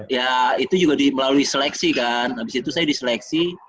ya itu juga melalui seleksi kan habis itu saya diseleksi